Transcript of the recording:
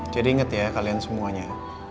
jadi inget ya kalian semuanya